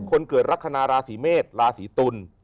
คนเกิดลักษณะราศีเมษราศีตุล